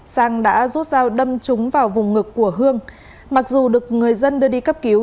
sang đã rút dao đâm chúng vào vùng ngực của hương mặc dù được người dân đưa đi cấp cứu